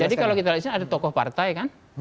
jadi kalau kita lihat disini ada tokoh partai kan